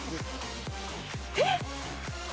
えっ！？